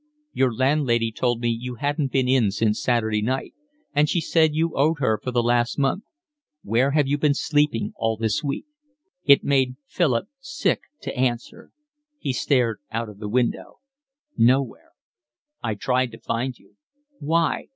"Your landlady told me you hadn't been in since Saturday night, and she said you owed her for the last month. Where have you been sleeping all this week?" It made Philip sick to answer. He stared out of the window. "Nowhere." "I tried to find you." "Why?"